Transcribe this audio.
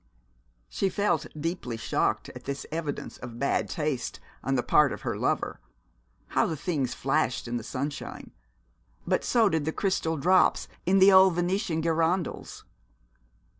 She felt deeply shocked at this evidence of bad taste on the part of her lover. How the things flashed in the sunshine but so did the crystal drops in the old Venetian girandoles.